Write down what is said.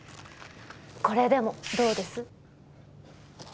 これでもどうです？